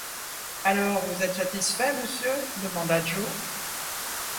Alors vous êtes satisfait, monsieur? demanda Joe.